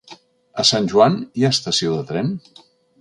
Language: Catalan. A Sant Joan hi ha estació de tren?